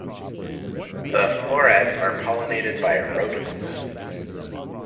The florets are pollinated by rodents.